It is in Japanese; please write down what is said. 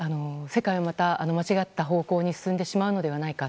世界はまた間違った方向に進んでしまうのではないか。